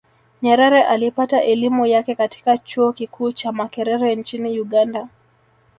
Nyerere alipata elimu yake katika chuo kikuu cha Makerere nchini Uganda